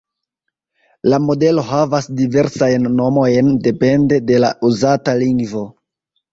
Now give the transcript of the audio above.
La modelo havas diversajn nomojn depende de la uzata lingvo.